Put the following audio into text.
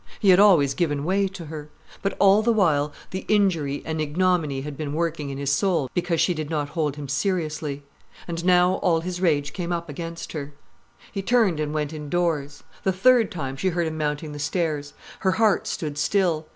He had always given way to her. But all the while, the injury and ignominy had been working in his soul because she did not hold him seriously. And now all his rage came up against her. He turned and went indoors. The third time, she heard him mounting the stairs. Her heart stood still.